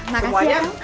makasih ya kang